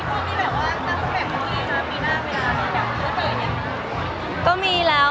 ปีน่าเวลามีอะไรอยากทำ